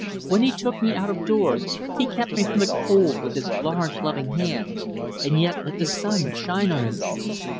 When he took me out of doors he kept me from the cold with his large, loving hands, and yet let the sun shine on me.